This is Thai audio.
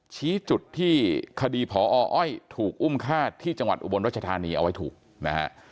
ชี้จุดที่คดีพออ้อยถูกอุ้มฆ่าที่จังหวัดอุบลรัชธานีเอาไว้ถูกนะฮะ